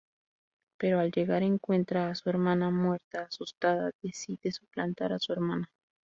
Pero, al llegar, encuentra a su hermana muerta, asustada, decide suplantar a su hermana.